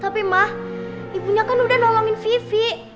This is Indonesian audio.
tapi ma ibunya kan udah nolongin vivi